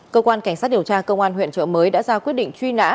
cơ quan cảnh sát điều tra công an huyện trợ mới đã ra quyết định truy nã